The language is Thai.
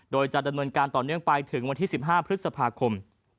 โดยจะดำเนินการต่อเนื่องไปถึงวันที่๑๕พฤษภาคม